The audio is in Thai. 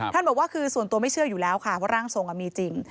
บอกว่าคือส่วนตัวไม่เชื่ออยู่แล้วค่ะว่าร่างทรงมีจริง